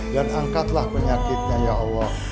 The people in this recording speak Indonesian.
dan angkatlah penyakitnya ya allah